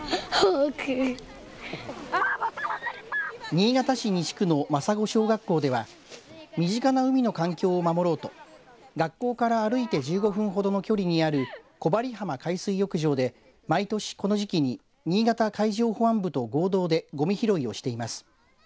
新潟市西区の真砂小学校では身近な海の環境を守ろうと学校から歩いて１５分ほどの距離にある小針浜海水浴場で毎年この時期に新潟海上保安部と合同でごみ拾いをしています。